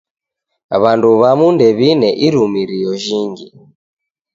W'andu w'amu ndew'ine irumirio jhingi.